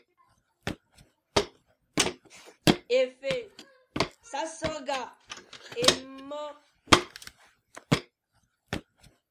Éfel sa sorga e mo.